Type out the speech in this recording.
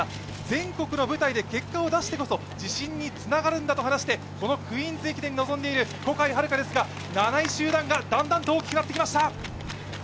全国の舞台で結果を出してこそ自信につながるんだと話してこのクイーンズ駅伝に臨んでいる小海遥ですが、７位集団がだんだんと大きくなってきました。